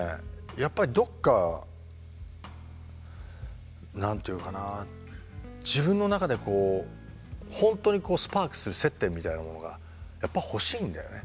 やっぱりどっか何て言うかな自分の中でこう本当にこうスパークする接点みたいなものがやっぱり欲しいんだよね